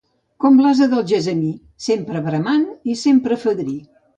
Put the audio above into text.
Com l'ase d'Algemesí, sempre bramant i sempre fadrí.